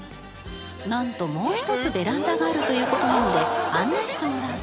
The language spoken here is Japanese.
なんともう一つベランダがあるという事なので案内してもらうと。